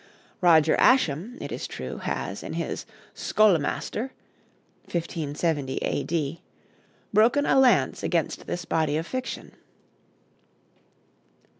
Roger Ascham, it is true, has, in his 'Scholemaster' (1570 A.D.), broken a lance against this body of fiction.